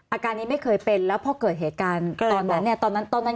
อาการนี้ไม่เคยเป็นแล้วพอเกิดเหตุการณ์ตอนนั้นเนี่ยตอนนั้นตอนนั้น